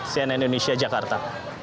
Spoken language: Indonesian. sian indonesia jakarta